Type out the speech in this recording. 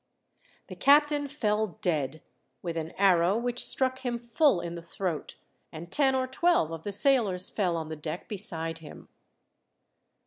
The captain fell dead with an arrow which struck him full in the throat, and ten or twelve of the sailors fell on the deck beside him.